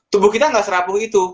tubuh kita gak serapu gitu